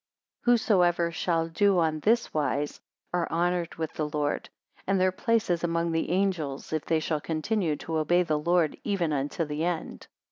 232 Whosoever shall do on this wise, are honoured with the Lord; and their place is among the angels, if they shall continue to obey the Lord even unto the end.